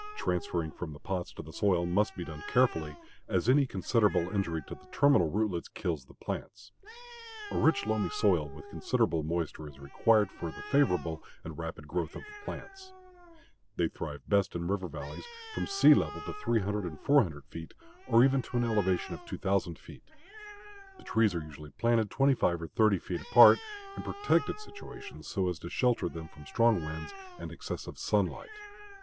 Transferring from the pots to the soil must be done carefully, as any considerable injury to the terminal rootlets kills the plants. A rich, loamy soil with considerable moisture is required for the favorable and rapid growth of the plants. They thrive best in river valleys, from sea level to 300 and 400 feet or even to an elevation of 2,000 feet. The trees are usually planted twenty five or thirty feet apart, in protected situations, so as to shelter them from strong winds and excessive sunlight.